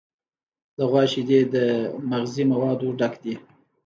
د غوا شیدې د مغذي موادو ډک دي.